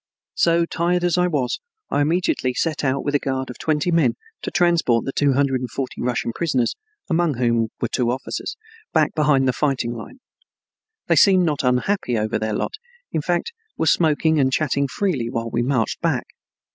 So, tired as I was, I immediately set out with a guard of twenty men to transport the two hundred and forty Russian prisoners, among whom were two officers, back behind the fighting line. They seemed not unhappy over their lot in fact, were smoking and chatting freely while we marched back.